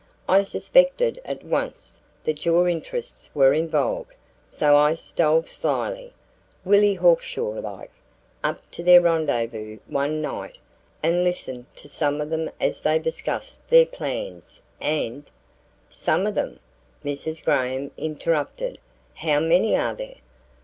I suspected at once that your interests were involved; so I stole slyly, Willie Hawkshaw like, up to their rendezvous one night and listened to some of them as they discussed their plans and " "Some of them," Mrs. Graham interrupted. "How many are there?"